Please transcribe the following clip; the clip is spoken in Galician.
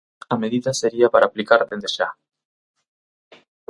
A medida sería para aplicar dende xa.